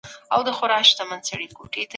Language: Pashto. دومره مداخلو او تعصباتو په صورت کي ټول